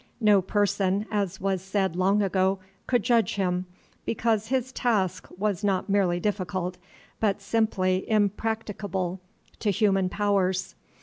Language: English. No person, as was said long ago, could judge him, because his task was not merely difficult, but simply impracticable to human powers.